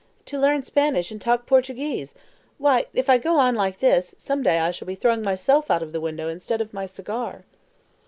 To learn Spanish and talk Portuguese! Why, if I go on like this, some day I shall be throwing myself out of the window instead of my cigar!"